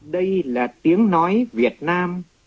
đây là tiếng nói việt nam